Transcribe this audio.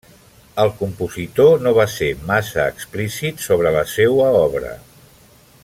El compositor no va ser massa explícit sobre la seua obra.